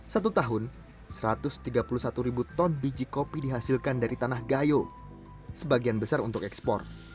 satu tahun satu ratus tiga puluh satu ribu ton biji kopi dihasilkan dari tanah gayo sebagian besar untuk ekspor